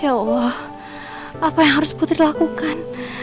ya allah apa yang harus putri lakukan